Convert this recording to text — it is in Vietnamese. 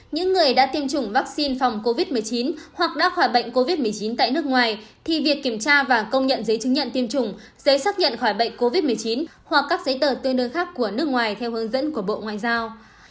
những người đã tiêm chủng vaccine phòng covid một mươi chín hoặc đã khỏi bệnh covid một mươi chín tại nước ngoài thì việc kiểm tra và công nhận giấy chứng nhận tiêm chủng giấy xác nhận khỏi bệnh covid một mươi chín hoặc các giấy tờ tên nơi khác của nước ngoài theo hướng dẫn của bộ ngoại giao